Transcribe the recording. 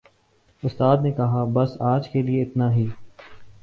اُستاد نے کہا، "بس آج کے لئے اِتنا ہی"